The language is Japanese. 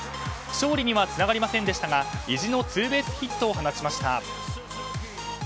勝利にはつながりませんでしたが意地のツーベースヒットを放ちました。